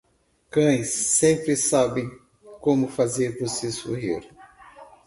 Cães sempre sabem como fazer você sorrir.